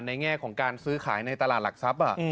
แง่ของการซื้อขายในตลาดหลักทรัพย์